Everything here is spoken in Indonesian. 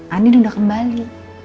ani udah kembali